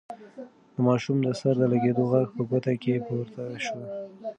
د ماشوم د سر د لگېدو غږ په کوټه کې پورته شو.